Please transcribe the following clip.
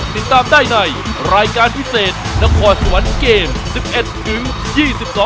ติดตามได้ในรายการพิเศษนักควรสวรรค์เกมส์